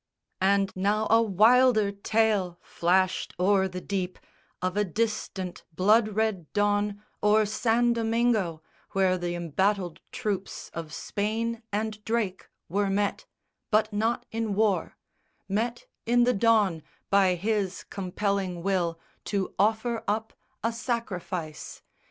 And now a wilder tale Flashed o'er the deep of a distant blood red dawn O'er San Domingo, where the embattled troops Of Spain and Drake were met but not in war Met in the dawn, by his compelling will, To offer up a sacrifice.